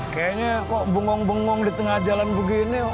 kayaknya kok bengong bengong di tengah jalan begini